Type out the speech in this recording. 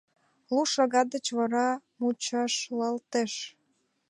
Лу шагат деч вара мучашлалтеш.